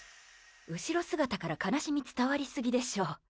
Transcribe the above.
後姿から悲しみ伝わりでしょ。